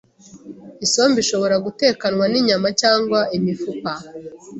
isombe ishobora gutekanwa n’inyama cyangwa imifupa